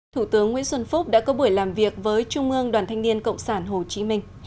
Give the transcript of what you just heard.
thủ tướng nguyễn xuân phúc đã có buổi làm việc với trung ương đoàn thanh niên cộng sản hồ chí minh